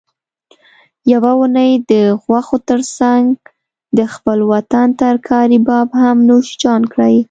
یوه اونۍ د غوښو ترڅنګ د خپل وطن ترکاري باب هم نوش کړئ